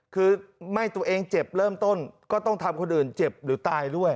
คือไม่ตัวเองเจ็บเริ่มต้นก็ต้องทำคนอื่นเจ็บหรือตายด้วย